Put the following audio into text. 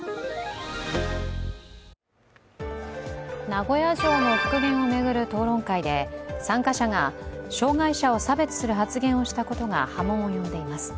名古屋城の復元を巡る討論会で参加者が障害者を差別する発言をしたことが波紋を呼んでいます。